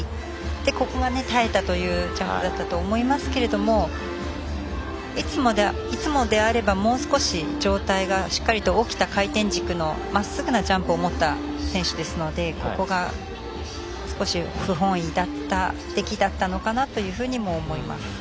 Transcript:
ここが耐えたジャンプだと思いますがいつもであればもう少し上体がしっかりと起きた回転軸のまっすぐの軸を持った選手ですので、ここが少し不本意だった出来だったのかなと思います。